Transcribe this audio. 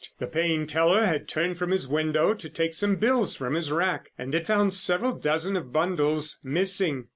The paying teller had turned from his window to take some bills from his rack and had found several dozens of bundles missing.